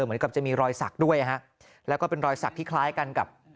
เหมือนกับจะมีรอยสักด้วยฮะแล้วก็เป็นรอยสักที่คล้ายกันกับ